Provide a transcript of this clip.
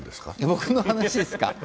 僕の話ですか？